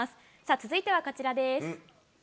続いてはこちらです。